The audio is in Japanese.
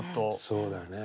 そうだね。